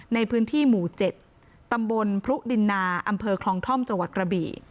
ในพื้นที่หมู่๗ตำบลพรุดินนาอำเภอคลองท่อมจังหวัดกระบี่